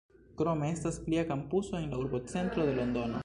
Krome, estas plia kampuso en la urbocentro de Londono.